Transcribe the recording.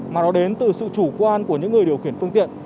mà nó đến từ sự chủ quan của những người điều khiển phương tiện